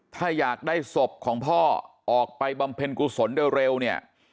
ถ้าอยากได้ศพของพ่อออกไปบำเพ็ญกุศลเร็วเนี่ย